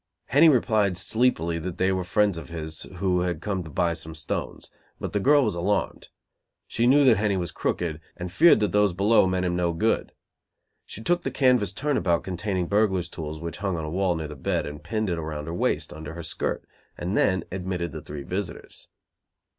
Henny replied sleepily that they were friends of his who had come to buy some stones; but the girl was alarmed. She knew that Henny was crooked and feared that those below meant him no good. She took the canvas turn about containing burglar's tools which hung on the wall near the bed, and pinned it around her waist, under her skirt, and then admitted the three visitors.